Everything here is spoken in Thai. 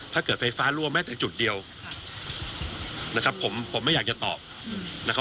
ไฟฟ้ารั่วแม้แต่จุดเดียวนะครับผมผมไม่อยากจะตอบนะครับ